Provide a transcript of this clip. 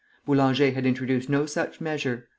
Boulanger had introduced no such measure.